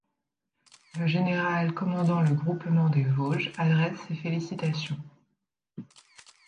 Le général commandant le groupement des Vosges adresse ses félicitations.